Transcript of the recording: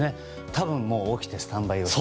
多分もう起きてスタンバイをして。